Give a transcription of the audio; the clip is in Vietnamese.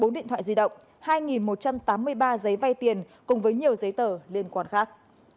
bốn điện thoại di động hai một trăm tám mươi ba giấy vay tiền cùng với nhiều giấy tờ liên quan khác